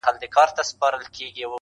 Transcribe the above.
• خو د کاظم خان شیدا شعر -